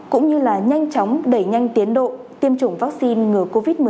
cũng như là nhanh chóng đẩy nhanh tiến độ tiêm chủng vaccine ngừa covid một mươi chín